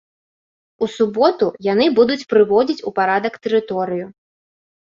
У суботу яны будуць прыводзіць у парадак тэрыторыю.